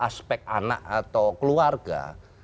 aspek anak atau keluarga